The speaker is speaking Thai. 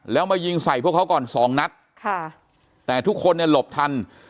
แล้วมายิงใส่พวกเขาก่อนสองนัดค่ะแต่ทุกคนเนี่ยหลบทัน